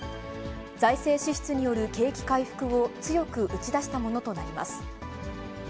財政支出による景気回復を強く打ち出したものとなります。